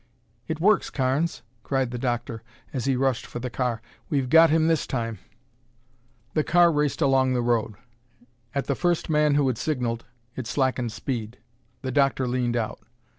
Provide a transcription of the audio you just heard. "It works, Carnes!" cried the doctor as he rushed for the car. "We've got him this time!" The car raced along the road. At the first man who had signalled, it slackened speed. The doctor leaned out.